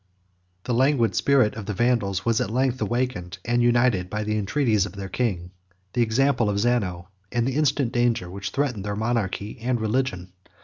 The languid spirit of the Vandals was at length awakened and united by the entreaties of their king, the example of Zano, and the instant danger which threatened their monarchy and religion.